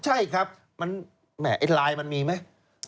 ไอ้ลายมันมีไหม